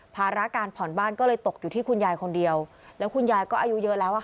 ภาระการผ่อนบ้านก็เลยตกอยู่ที่คุณยายคนเดียวแล้วคุณยายก็อายุเยอะแล้วอ่ะค่ะ